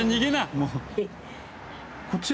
もう。